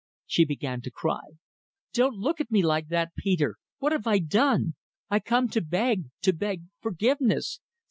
She began to cry "Don't look at me like that, Peter. What have I done? I come to beg to beg forgiveness.